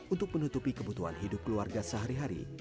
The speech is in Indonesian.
untuk menutupi kebutuhan hidup keluarga sehari hari